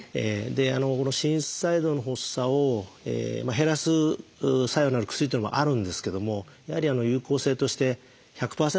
心室細動の発作を減らす作用のある薬というのもあるんですけどもやはり有効性として１００％ではないんですね。